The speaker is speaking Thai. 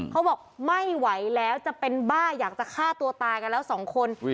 เขาบอกไม่ไหวแล้วจะเป็นบ้าอยากจะฆ่าตัวตายกันแล้วสองคน